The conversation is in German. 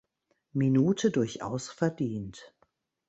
Minute durchaus verdient.